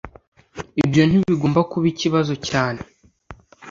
Ibyo ntibigomba kuba ikibazo cyane.